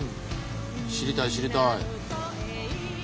知りたい知りたい。